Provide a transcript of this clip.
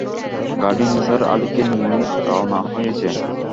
গাড়ি নিসার আলিকে নিয়ে রওনা হয়েছে।